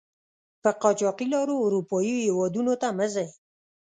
په قاچاقي لارو آروپایي هېودونو ته مه ځئ!